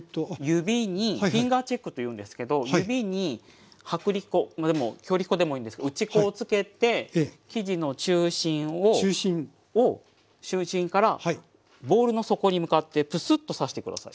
指にフィンガーチェックというんですけど指に薄力粉でも強力粉でもいいんですけど打ち粉をつけて生地の中心を中心からボウルの底に向かってプスッと挿して下さい。